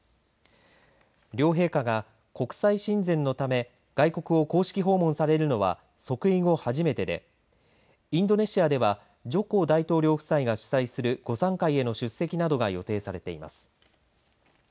両陛下が国際親善のため外国を公式訪問されるのは即位後初めてでインドネシアではジョコ大統領夫妻が主催する午さん会への出席などが予定されています。